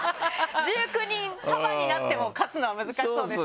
１９人束になっても勝つのは難しそうですけど。